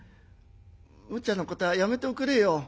むちゃなことはやめておくれよ。